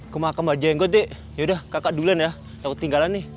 ke makam mbah jenggot dek yaudah kakak duluan ya takut tinggalan nih